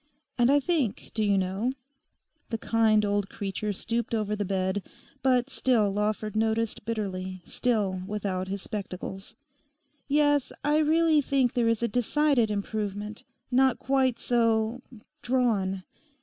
And I think, do you know' (the kind old creature stooped over the bed, but still, Lawford noticed bitterly, still without his spectacles)—'yes, I really think there is a decided improvement. Not quite so—drawn.